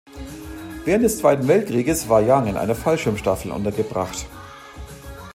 Während des Zweiten Weltkriegs war Young in einer Fallschirm-Staffel untergebracht.